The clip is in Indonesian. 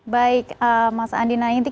baik mas andi nain